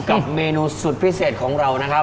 กับเมนูสุดพิเศษของเรานะครับ